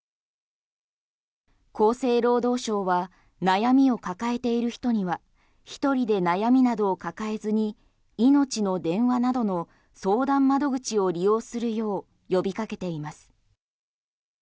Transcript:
厚生労働省は悩みを抱えている人には１人で悩みなどを抱えずにいのちの電話などの相談窓口を利用するよう呼びかけています。